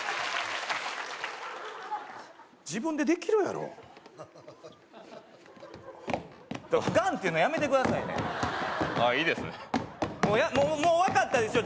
自分でできるやろガンッていうのやめてくださいねああいいですもう分かったでしょ